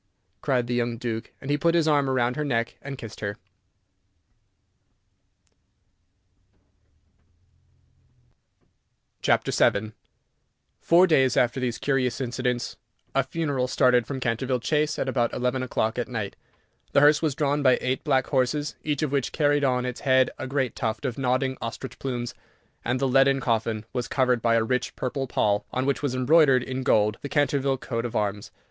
cried the young Duke, and he put his arm round her neck, and kissed her. VII [Illustration: "BY THE SIDE OF THE HEARSE AND THE COACHES WALKED THE SERVANTS WITH LIGHTED TORCHES"] Four days after these curious incidents, a funeral started from Canterville Chase at about eleven o'clock at night. The hearse was drawn by eight black horses, each of which carried on its head a great tuft of nodding ostrich plumes, and the leaden coffin was covered by a rich purple pall, on which was embroidered in gold the Canterville coat of arms.